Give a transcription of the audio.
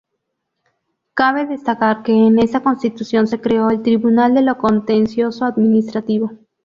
Cabe destacar que en esta Constitución se creó el Tribunal de lo Contencioso Administrativo.